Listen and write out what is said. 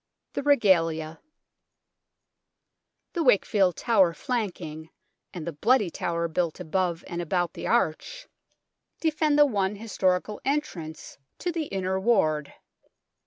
THE REGALIA The Wakefield Tower flanking, and the Bloody Tower built above and about the arch, defend the one historical entrance to 9 8 THE TOWER OF LONDON the Inner Ward.